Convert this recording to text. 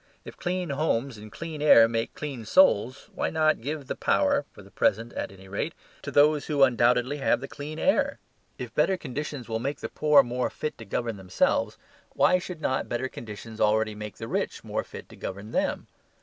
If clean homes and clean air make clean souls, why not give the power (for the present at any rate) to those who undoubtedly have the clean air? If better conditions will make the poor more fit to govern themselves, why should not better conditions already make the rich more fit to govern them?